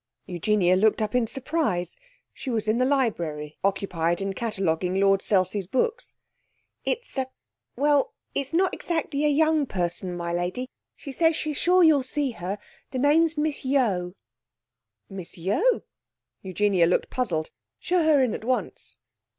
Eugenia looked up in surprise. She was in the library, occupied in cataloguing Lord Selsey's books. 'It's a well it's not exactly a young person, my lady. She says she's sure you will see her. The name is Miss Yeo.' 'Miss Yeo?' Eugenia looked puzzled. 'Show her in at once.'